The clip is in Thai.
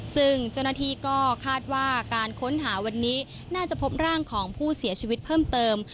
ซึ่งเจ้าหน้าที่ก็คาดว่าการค้นหาวันนี้น่าจะพบร่างของผู้เสียชีวิตเพิ่มเติม